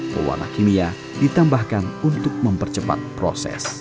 pewarna kimia ditambahkan untuk mempercepat proses